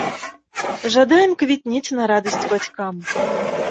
Жадаем квітнець на радасць бацькам!